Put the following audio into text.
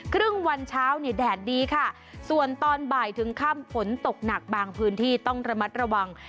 ครึ่งวันเช้าเนี่ยแดดดีค่ะส่วนตอนบ่ายถึงค่ำฝนตกหนักบางพื้นที่ต้องระมัดระวัง